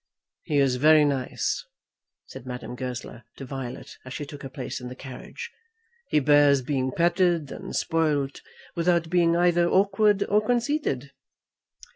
"He is very nice," said Madame Goesler to Violet as she took her place in the carriage. "He bears being petted and spoilt without being either awkward or conceited."